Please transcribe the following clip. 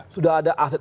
sudah ada aset